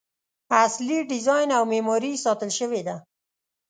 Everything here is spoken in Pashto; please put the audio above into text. اصلي ډیزاین او معماري یې ساتل شوې ده.